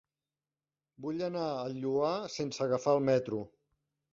Vull anar al Lloar sense agafar el metro.